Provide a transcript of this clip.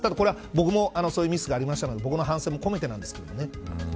僕もそういうミスがありましたので僕の反省も込めてなんですけどね。